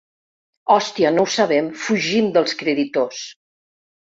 Hòstia, no ho sabem, fugim dels creditors!